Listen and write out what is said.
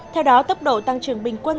theo đó tốc độ tăng trường bình quân